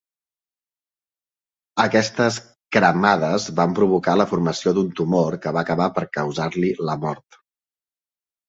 Aquestes cremades van provocar la formació d'un tumor que va acabar per causar-li la mort.